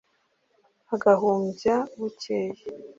Agahumbya bukeya.